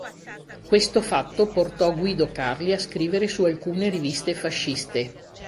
Questo fatto portò Guido Carli a scrivere su alcune riviste fasciste.